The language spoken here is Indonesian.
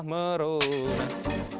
sampai merah merun